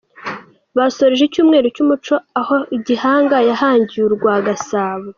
Basoreje icyumweru cy’umuco aho Gihanga yahangiye u rwa Gasabo